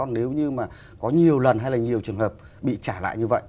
nếu như mà có nhiều lần hay là nhiều trường hợp bị trả lại như vậy